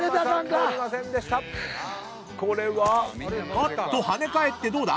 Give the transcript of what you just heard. ［あっと跳ね返ってどうだ？］